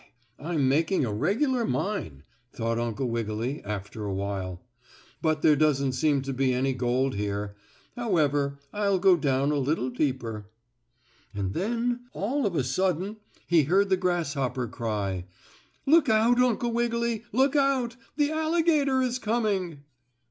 I'm making a regular mine!" thought Uncle Wiggily, after a while. "But there doesn't seem to be any gold here. However, I'll go down a little deeper." And then, all of a sudden he heard the grasshopper cry: "Look out, Uncle Wiggily! Look out! The alligator is coming!"